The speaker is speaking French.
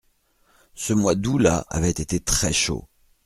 Ce mois d’août-là avait été très chaud.